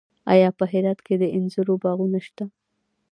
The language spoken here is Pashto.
آیا په هرات کې د انځرو باغونه شته؟